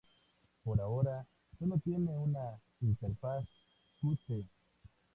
Por ahora sólo tiene una interfaz Qt.